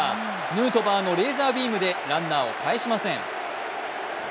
ヌートバーのレーザービームでランナーを帰しません。